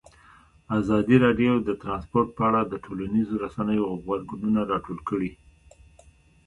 ازادي راډیو د ترانسپورټ په اړه د ټولنیزو رسنیو غبرګونونه راټول کړي.